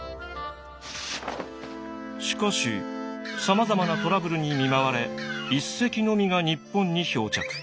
しかしさまざまなトラブルに見舞われ１隻のみが日本に漂着。